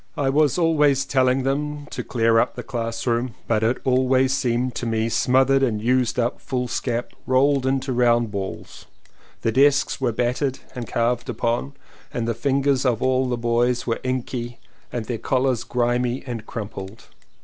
I was always telling them to clear up the classroom but it always seemed to me smothered in used up fools cap rolled into round balls; the desks were battered and carved upon and the fingers of all the boys were inky and their collars grimy and crumpled.